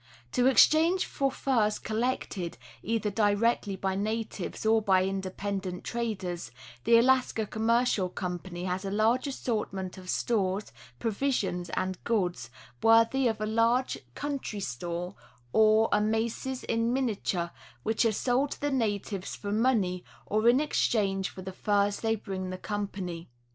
To exchange for furs collected, either directly by natives or by independent traders, the Alaska Commercial Company has a large assortment of stores, provisions, and goods, worthy of a large country store, or a Macy's in miniature, which are sold to the natives for money or in exchange for the furs they bring to the company.